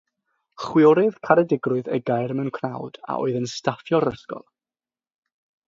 Chwiorydd Caredigrwydd y Gair Mewn Cnawd a oedd yn staffio'r ysgol.